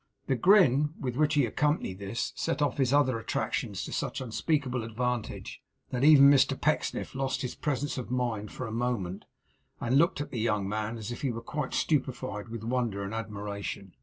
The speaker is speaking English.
The grin with which he accompanied this, set off his other attractions to such unspeakable advantage, that even Mr Pecksniff lost his presence of mind for a moment, and looked at the young man as if he were quite stupefied with wonder and admiration.